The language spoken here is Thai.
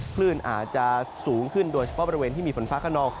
คลื่นอาจจะสูงขึ้นโดยเฉพาะบริเวณที่มีฝนฟ้าขนอง